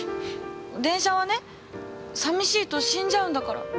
電車はねさみしいと死んじゃうんだから。